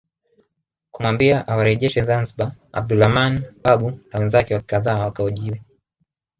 Kumwambia awarejeshe Zanzibar Abdulrahman Babu na wenzake kadhaa wakahojiwe